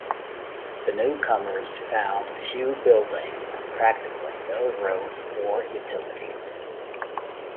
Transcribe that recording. The newcomers found few buildings and practically no roads or utilities.